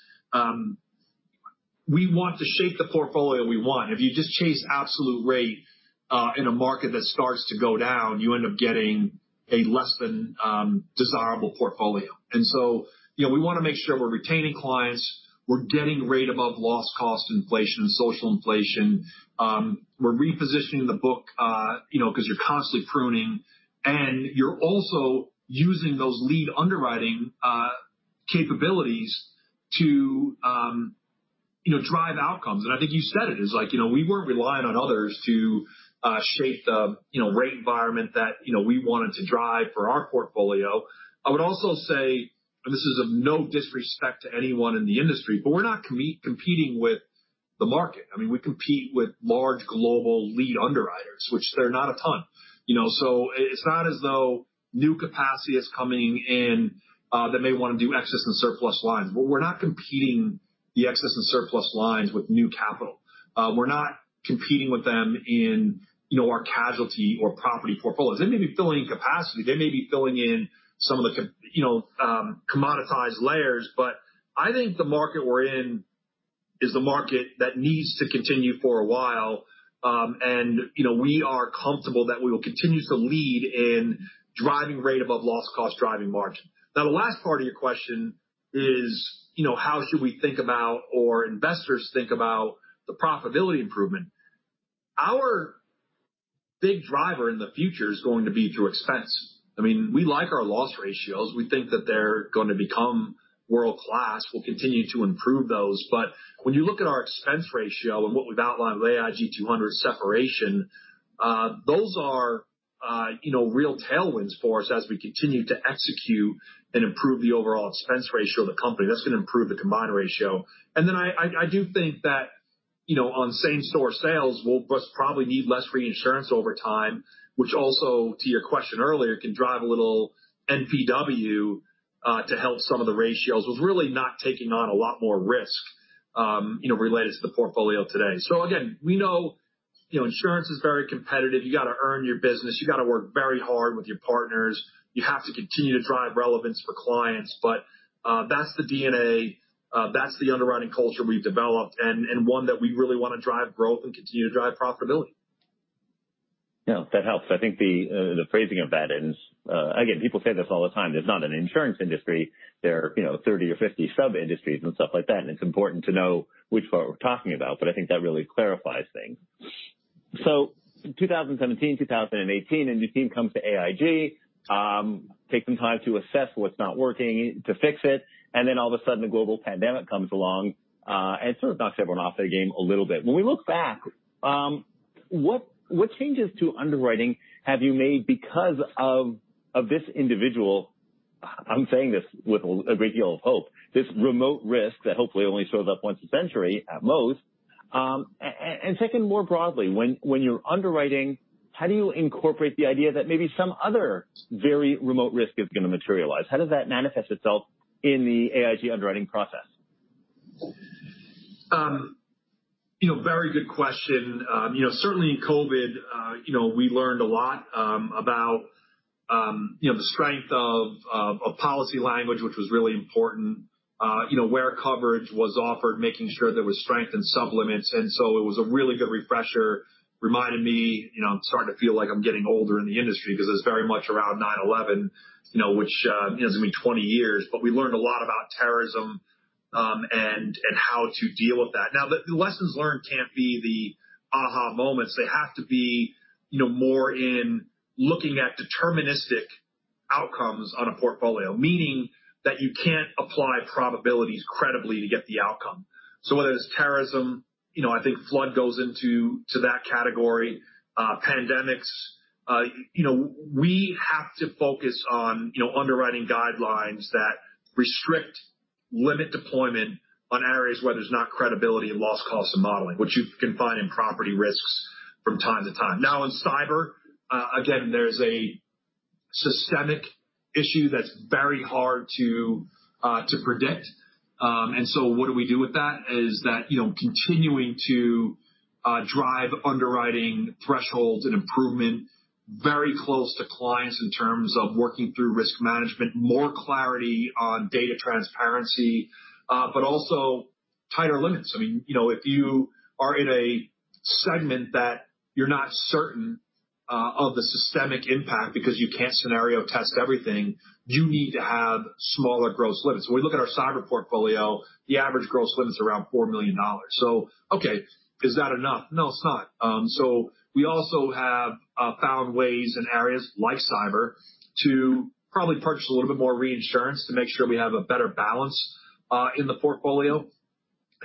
we want to shape the portfolio we want. If you just chase absolute rate in a market that starts to go down, you end up getting a less than desirable portfolio. We want to make sure we're retaining clients, we're getting rate above loss cost inflation and social inflation. We're repositioning the book because you're constantly pruning, and you're also using those lead underwriting capabilities to drive outcomes. I think you said it as like we weren't relying on others to shape the rate environment that we wanted to drive for our portfolio. I would also say this is of no disrespect to anyone in the industry, we're not competing with the market. We compete with large global lead underwriters, which there are not a ton. It's not as though new capacity is coming in that may want to do excess and surplus lines. We're not competing the excess and surplus lines with new capital. We're not competing with them in our casualty or property portfolios. They may be filling in capacity. They may be filling in some of the commoditized layers. I think the market we're in is the market that needs to continue for a while. We are comfortable that we will continue to lead in driving rate above loss cost, driving margin. The last part of your question is how should we think about or investors think about the profitability improvement? Big driver in the future is going to be through expense. We like our loss ratios. We think that they're going to become world-class. We'll continue to improve those. When you look at our expense ratio and what we've outlined with AIG 200 separation, those are real tailwinds for us as we continue to execute and improve the overall expense ratio of the company. That's going to improve the combined ratio. I do think that on same-store sales, we'll just probably need less reinsurance over time, which also, to your question earlier, can drive a little NPW to help some of the ratios with really not taking on a lot more risk related to the portfolio today. Again, we know insurance is very competitive. You got to earn your business. You got to work very hard with your partners. You have to continue to drive relevance for clients. That's the DNA, that's the underwriting culture we've developed and one that we really want to drive growth and continue to drive profitability. That helps. I think the phrasing of that, and again, people say this all the time, there's not an insurance industry. There are 30 or 50 sub-industries and stuff like that, it's important to know which part we're talking about, I think that really clarifies things. 2017, 2018, a new team comes to AIG, take some time to assess what's not working, to fix it, all of a sudden the global pandemic comes along, sort of knocks everyone off their game a little bit. When we look back, what changes to underwriting have you made because of this individual, I'm saying this with a great deal of hope, this remote risk that hopefully only shows up once a century at most. Second, more broadly, when you're underwriting, how do you incorporate the idea that maybe some other very remote risk is going to materialize? How does that manifest itself in the AIG underwriting process? Very good question. Certainly in COVID, we learned a lot about the strength of policy language, which was really important. Where coverage was offered, making sure there was strength and sub-limits. It was a really good refresher. Reminded me, I'm starting to feel like I'm getting older in the industry because it was very much around 9/11, which is going to be 20 years, we learned a lot about terrorism, and how to deal with that. The lessons learned can't be the aha moments. They have to be more in looking at deterministic outcomes on a portfolio, meaning that you can't apply probabilities credibly to get the outcome. Whether it's terrorism, I think flood goes into that category, pandemics. We have to focus on underwriting guidelines that restrict limit deployment on areas where there's not credibility in loss cost and modeling, which you can find in property risks from time to time. In cyber, again, there's a systemic issue that's very hard to predict. What do we do with that is that continuing to drive underwriting thresholds and improvement very close to clients in terms of working through risk management, more clarity on data transparency, tighter limits. If you are in a segment that you're not certain of the systemic impact because you can't scenario test everything, you need to have smaller gross limits. When we look at our cyber portfolio, the average gross limit is around $4 million. Okay, is that enough? No, it's not. We also have found ways in areas like cyber to probably purchase a little bit more reinsurance to make sure we have a better balance in the portfolio.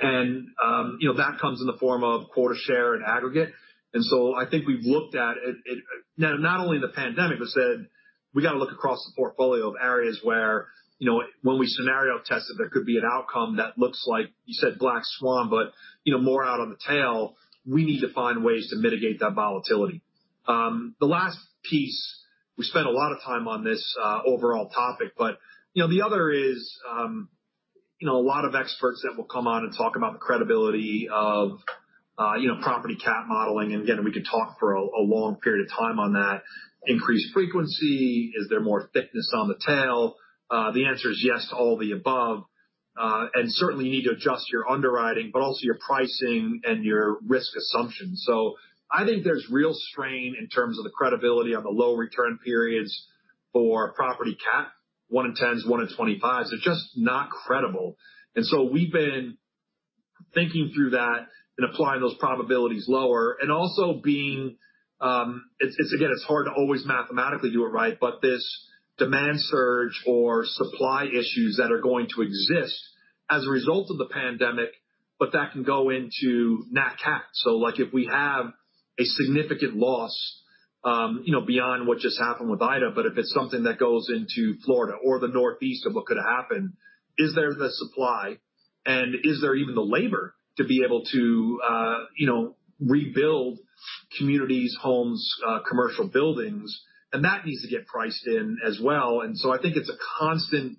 That comes in the form of quota-share and aggregate. I think we've looked at it, not only the pandemic, said we got to look across the portfolio of areas where when we scenario tested, there could be an outcome that looks like you said black swan, more out on the tail. We need to find ways to mitigate that volatility. The last piece, we spent a lot of time on this overall topic, the other is a lot of experts that will come on and talk about the credibility of property CAT modeling, we could talk for a long period of time on that. Increased frequency. Is there more thickness on the tail? The answer is yes to all of the above. Certainly, you need to adjust your underwriting, but also your pricing and your risk assumptions. I think there's real strain in terms of the credibility of the low return periods for property CAT, 1 in 10s, 1 in 25s. They're just not credible. We've been thinking through that and applying those probabilities lower and also being. It's hard to always mathematically do it right, this demand surge or supply issues that are going to exist as a result of the pandemic, that can go into NAT CAT. Like if we have a significant loss, beyond what just happened with Ida, but if it's something that goes into Florida or the Northeast of what could happen, is there the supply and is there even the labor to be able to rebuild communities, homes, commercial buildings? That needs to get priced in as well. I think it's a constant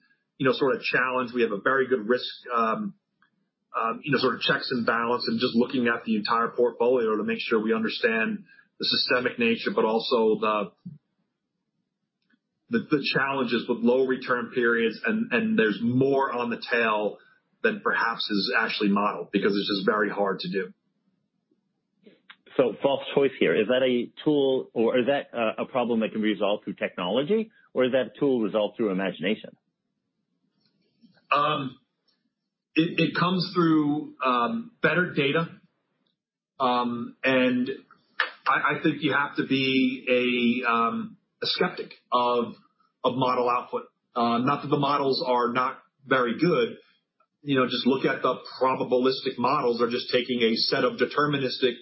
sort of challenge. We have a very good risk sort of checks and balance and just looking at the entire portfolio to make sure we understand the systemic nature, but also the challenges with low return periods, and there's more on the tail than perhaps is actually modeled because it's just very hard to do. False choice here. Is that a tool or is that a problem that can be resolved through technology or is that a tool resolved through imagination? It comes through better data. I think you have to be a skeptic of model output. Not that the models are not very good, just look at the probabilistic models. They're just taking a set of deterministic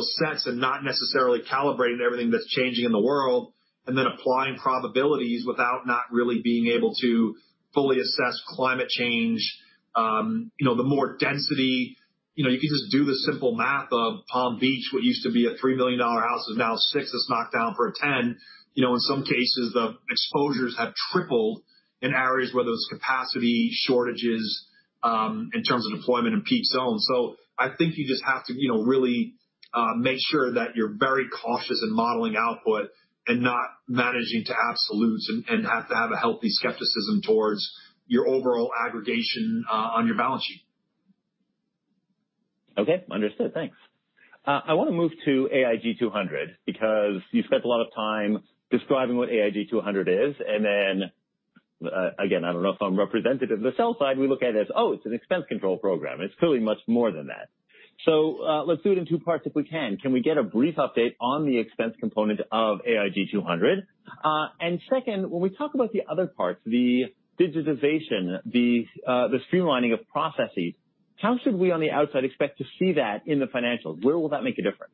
sets and not necessarily calibrating everything that's changing in the world, and then applying probabilities without not really being able to fully assess climate change. The more density, you could just do the simple math of Palm Beach, what used to be a $3 million house is now $6, that's knocked down for a $10. In some cases, the exposures have tripled in areas where there was capacity shortages, in terms of deployment and peak zones. I think you just have to really make sure that you're very cautious in modeling output and not managing to absolutes and have to have a healthy skepticism towards your overall aggregation on your balance sheet. Okay, understood. Thanks. I want to move to AIG 200 because you've spent a lot of time describing what AIG 200 is, then, again, I don't know if I'm representative of the sell side, we look at it as, oh, it's an expense control program. It's clearly much more than that. Let's do it in two parts if we can. Can we get a brief update on the expense component of AIG 200? Second, when we talk about the other parts, the digitization, the streamlining of processes, how should we on the outside expect to see that in the financials? Where will that make a difference?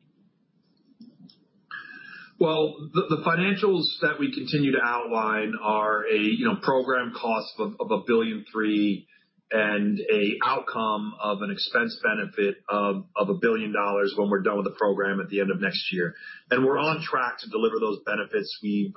Well, the financials that we continue to outline are a program cost of $1.3 billion, and a outcome of an expense benefit of $1 billion when we're done with the program at the end of next year. We're on track to deliver those benefits. We've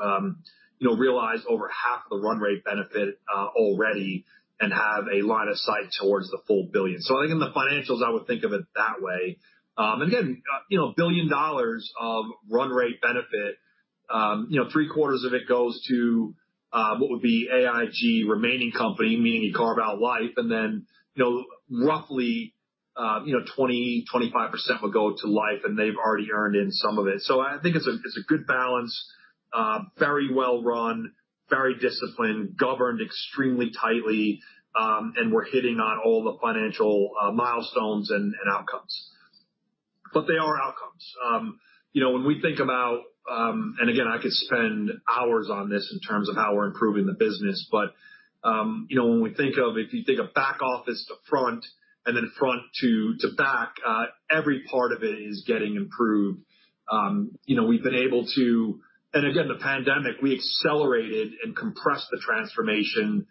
realized over half the run rate benefit already and have a line of sight towards the full $1 billion. I think in the financials, I would think of it that way. Again, $1 billion of run rate benefit, three quarters of it goes to what would be AIG remaining company, meaning you carve out Life, then, roughly 20%-25% would go to Life and they've already earned in some of it. I think it's a good balance, very well run, very disciplined, governed extremely tightly. We're hitting on all the financial milestones and outcomes. They are outcomes. When we think about, I could spend hours on this in terms of how we're improving the business, if you think of back office to front and then front to back, every part of it is getting improved. We've been able to. Again, the pandemic, we accelerated and compressed the transformation.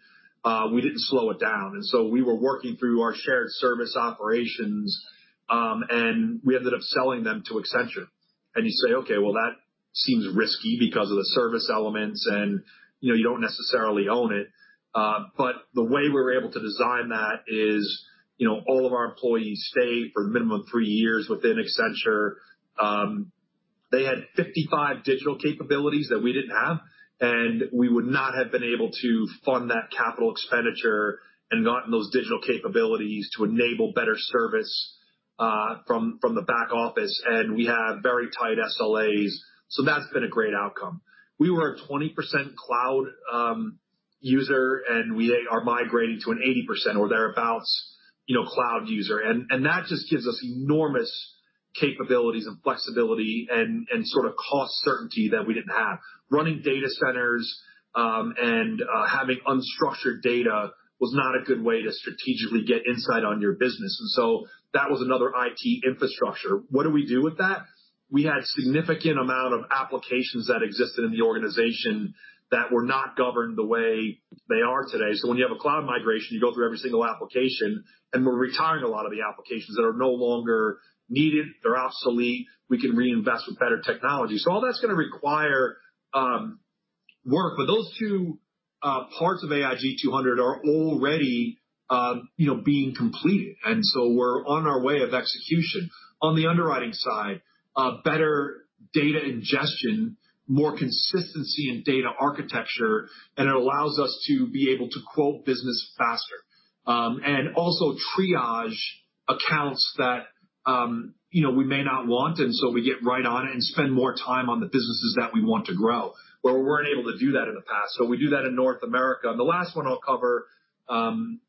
We didn't slow it down. We were working through our shared service operations, and we ended up selling them to Accenture. You say, "Okay, well, that seems risky because of the service elements, and you don't necessarily own it." The way we were able to design that is all of our employees stay for a minimum of three years within Accenture. They had 55 digital capabilities that we didn't have. We would not have been able to fund that capital expenditure and gotten those digital capabilities to enable better service from the back office. We have very tight SLAs, so that's been a great outcome. We were a 20% cloud user, and we are migrating to an 80% or thereabout cloud user. That just gives us enormous capabilities and flexibility and sort of cost certainty that we didn't have. Running data centers, and having unstructured data was not a good way to strategically get insight on your business. That was another IT infrastructure. What do we do with that? We had significant amount of applications that existed in the organization that were not governed the way they are today. When you have a cloud migration, you go through every single application. We're retiring a lot of the applications that are no longer needed. They're obsolete. We can reinvest with better technology. All that's going to require work. Those two parts of AIG 200 are already being completed. We're on our way of execution. On the underwriting side, better data ingestion, more consistency in data architecture, it allows us to be able to quote business faster. Also triage accounts that we may not want, we get right on it and spend more time on the businesses that we want to grow, where we weren't able to do that in the past. We do that in North America. The last one I'll cover, again,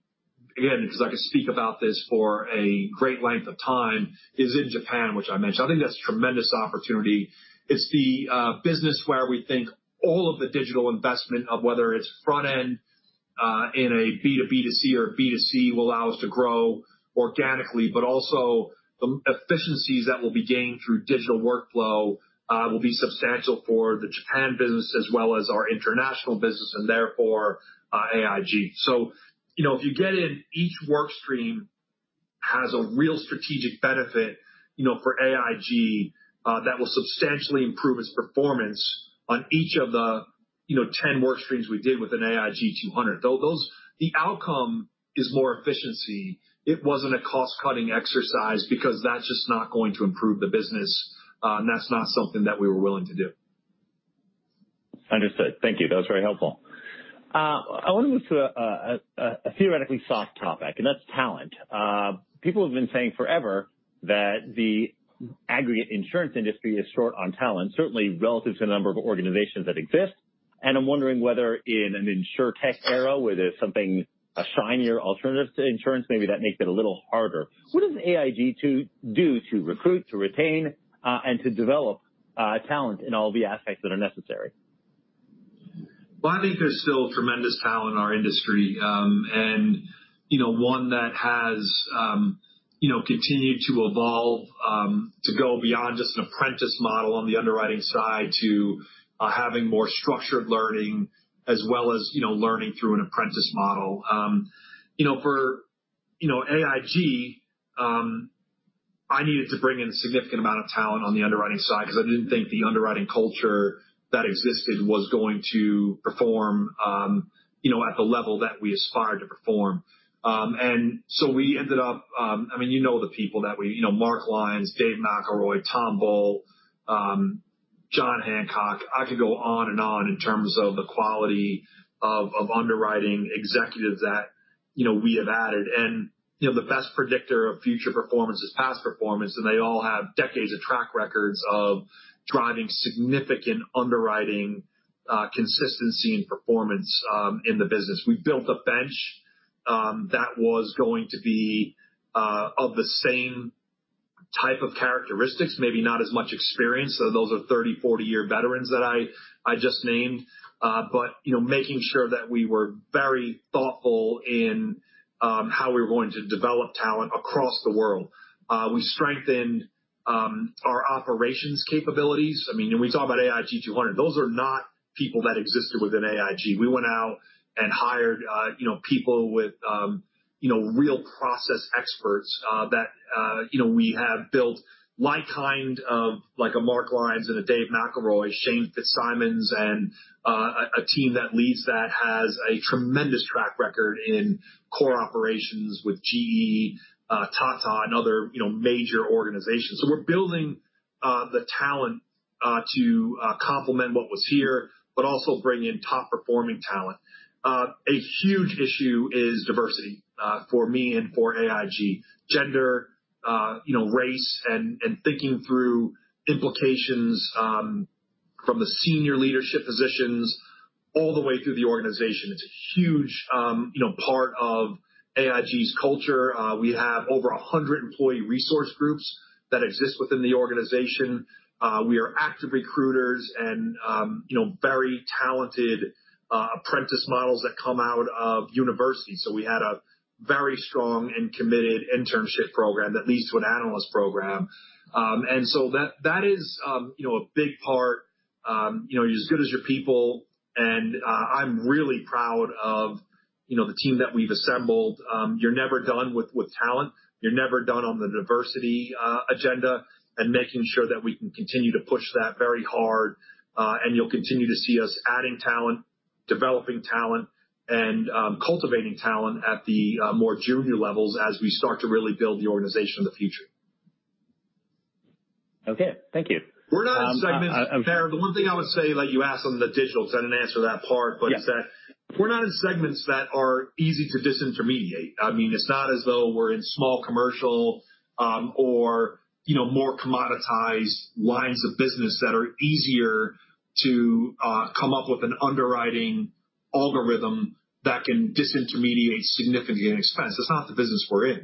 because I could speak about this for a great length of time, is in Japan, which I mentioned. I think that's a tremendous opportunity. It's the business where we think all of the digital investment of whether it's front end, in a B2B2C or B2C will allow us to grow organically, but also the efficiencies that will be gained through digital workflow will be substantial for the Japan business as well as our international business and therefore AIG. If you get in, each work stream has a real strategic benefit for AIG that will substantially improve its performance on each of the 10 work streams we did with an AIG 200. The outcome is more efficiency. It wasn't a cost-cutting exercise because that's just not going to improve the business. That's not something that we were willing to do. Understood. Thank you. That was very helpful. I want to move to a theoretically soft topic, and that's talent. People have been saying forever that the aggregate insurance industry is short on talent, certainly relative to the number of organizations that exist. I'm wondering whether in an insurtech era, where there's something, a shinier alternative to insurance, maybe that makes it a little harder. What does AIG do to recruit, to retain, and to develop talent in all the aspects that are necessary? Well, I think there's still tremendous talent in our industry. One that has continued to evolve, to go beyond just an apprentice model on the underwriting side to having more structured learning as well as learning through an apprentice model. For AIG, I needed to bring in a significant amount of talent on the underwriting side because I didn't think the underwriting culture that existed was going to perform at the level that we aspired to perform. We ended up, you know the people that we Mark Lyons, Dave McElroy, Tom Bull, Jon Hancock. I could go on and on in terms of the quality of underwriting executives that we have added. The best predictor of future performance is past performance, and they all have decades of track records of driving significant underwriting consistency and performance in the business. We built a bench that was going to be of the same type of characteristics, maybe not as much experience. Those are 30, 40-year veterans that I just named. Making sure that we were very thoughtful in how we were going to develop talent across the world. We strengthened our operations capabilities. We talk about AIG 200. Those are not people that existed within AIG. We went out and hired people with real process experts that we have built like kind of like a Mark Lyons and a Dave McElroy, Shane Fitzsimons, and a team that leads that has a tremendous track record in core operations with GE, Tata, and other major organizations. We're building the talent to complement what was here, but also bring in top-performing talent. A huge issue is diversity for me and for AIG. Gender, race, and thinking through implications from the senior leadership positions all the way through the organization. It's a huge part of AIG's culture. We have over 100 employee resource groups that exist within the organization. We are active recruiters and very talented apprentice models that come out of university. We had a very strong and committed internship program that leads to an analyst program. That is a big part. You're as good as your people, and I'm really proud of the team that we've assembled. You're never done with talent. You're never done on the diversity agenda and making sure that we can continue to push that very hard. You'll continue to see us adding talent, developing talent, and cultivating talent at the more junior levels as we start to really build the organization of the future. Okay. Thank you. We're not in segments, Farrah. The one thing I would say, you asked on the digital because I didn't answer that part, but it's that we're not in segments that are easy to disintermediate. It's not as though we're in small commercial or more commoditized lines of business that are easier to come up with an underwriting algorithm that can disintermediate significantly on expense. That's not the business we're in.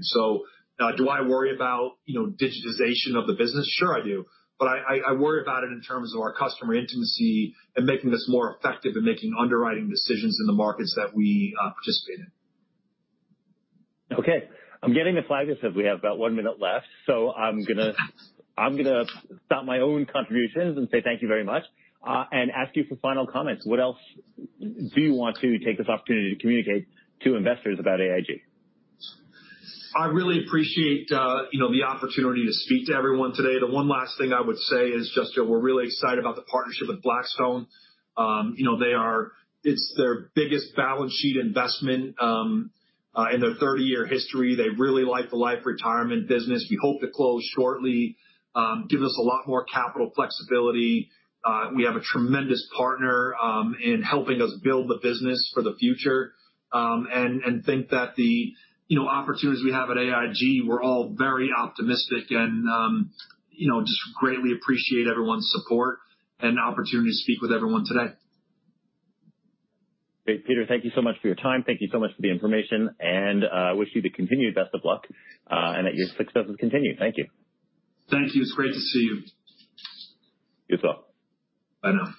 Do I worry about digitization of the business? Sure I do. I worry about it in terms of our customer intimacy and making this more effective and making underwriting decisions in the markets that we participate in. Okay. I'm getting the flag that says we have about one minute left. I'm going to stop my own contributions and say thank you very much, and ask you for final comments. What else do you want to take this opportunity to communicate to investors about AIG? I really appreciate the opportunity to speak to everyone today. The one last thing I would say is just that we're really excited about the partnership with Blackstone. It's their biggest balance sheet investment in their 30-year history. They really like the Life & Retirement business. We hope to close shortly. Give us a lot more capital flexibility. We have a tremendous partner in helping us build the business for the future. Think that the opportunities we have at AIG, we're all very optimistic and just greatly appreciate everyone's support and the opportunity to speak with everyone today. Great, Peter. Thank you so much for your time. Thank you so much for the information, and I wish you the continued best of luck, and that your successes continue. Thank you. Thank you. It's great to see you. You as well. Bye now.